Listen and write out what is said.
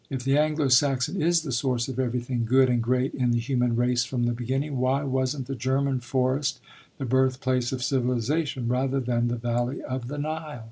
If the Anglo Saxon is the source of everything good and great in the human race from the beginning, why wasn't the German forest the birthplace of civilization, rather than the valley of the Nile?"